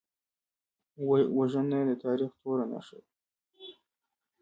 وژنه د تاریخ توره نښه ده